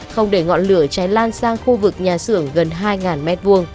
không để ngọn lửa cháy lan sang khu vực nhà xưởng gần hai m hai